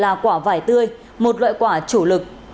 là quả vải tươi một loại quả chủ lực